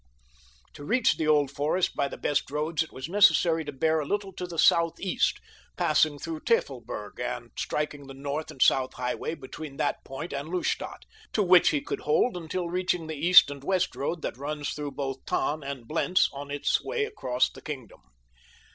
To reach the Old Forest by the best roads it was necessary to bear a little to the southeast, passing through Tafelberg and striking the north and south highway between that point and Lustadt, to which he could hold until reaching the east and west road that runs through both Tann and Blentz on its way across the kingdom.